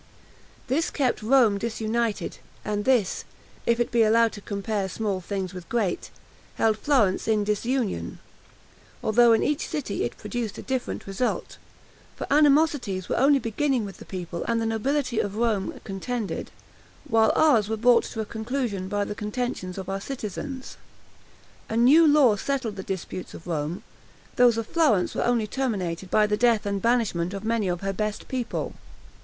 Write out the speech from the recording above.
This kept Rome disunited; and this, if it be allowable to compare small things with great, held Florence in disunion; although in each city it produced a different result; for animosities were only beginning with the people and nobility of Rome contended, while ours were brought to a conclusion by the contentions of our citizens. A new law settled the disputes of Rome; those of Florence were only terminated by the death and banishment of many of her best people.